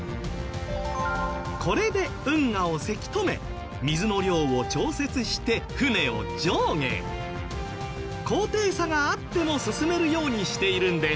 これで運河をせき止め高低差があっても進めるようにしているんです。